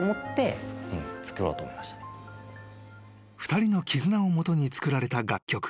・［２人の絆を基に作られた楽曲］